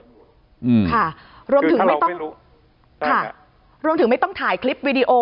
ค่ะรวมถึงคือถ้าเราไม่รู้ใช่รวมถึงไม่ต้องถ่ายคลิปวีดีโอ